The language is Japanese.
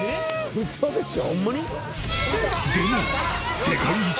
ウソでしょ？